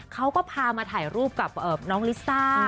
เขาก็พามาถ่ายรูปกับน้องลิซ่า